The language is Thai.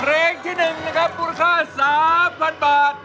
เพลงที่๑นะครับมูลค่า๓๐๐๐บาท